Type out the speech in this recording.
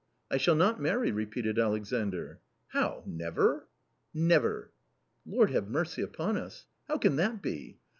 " I shall not marry," repeated Alexandr. " How, never ?"" Never." " Lord have mercy upon us ! How can that be